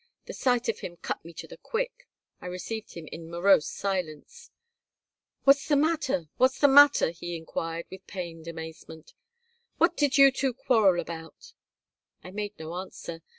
The sight of him cut me to the quick. I received him in morose silence "What's the matter? What's the matter?" he inquired, with pained amazement. "What did you two quarrel about?" I made no answer.